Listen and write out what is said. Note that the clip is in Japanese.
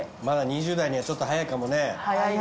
まだ２０代にはちょっと早いかもね。